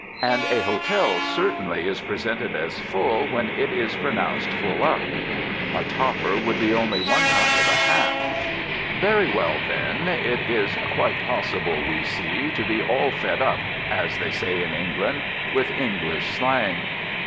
And a hotel certainly is presented as full when it is pronounced "full up." A "topper" would be only one kind of a hat. Very well, then it is quite possible, we see, to be "all fed up," as they say in England, with English slang.